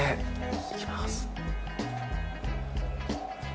いきます。